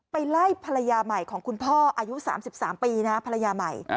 ไปไล่ภรรยาใหม่ของคุณพ่ออายุ๓๓ปีนะภรรยาใหม่